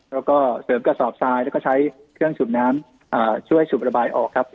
แล้วก็เสริมกระสอบทรายแล้วก็ใช้เครื่องสูบน้ำช่วยสูบระบายออกครับ